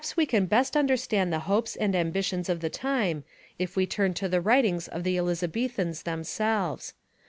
Perhaps we can best understand the hopes and ambitions of the time if we turn to the writings of the Elizabethans themselves.